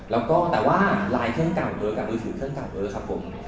แล้วก็แต่ว่าไลน์เครื่องกล่าวเออกับอื่นถือเครื่องกล่าวเออครับผม